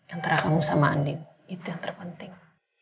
antara kamu sama andi itu yang terpenting